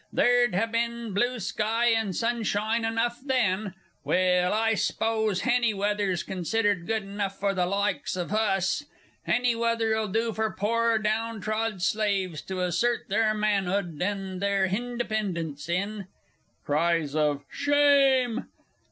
Ther'd ha' bin blue sky and sunshine enough then. Well, I 'spose hany weather's considered good enough for the likes of hus! Hany weather'll do for pore downtrod slaves to assert their man'ood and their hindependence in! (_Cries of "Shame!"